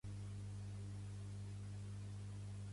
Cecília, Nadal, Dijous llarder i Pasqua.